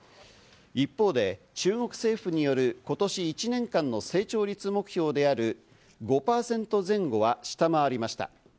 一方で中国政府による今年１年間の成長率目標である、５％前後は下回りました。